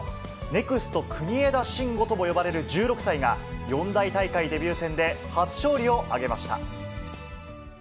ネクスト国枝慎吾とも呼ばれる１６歳が、四大大会デビュー戦で初勝利を挙げました。